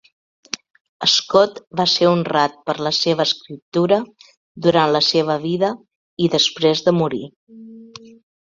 Scott va ser honrat per la seva escriptura durant la seva vida i després de morir.